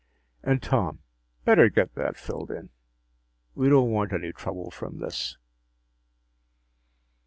And, Tom, better get that filled in. We don't want any trouble from this."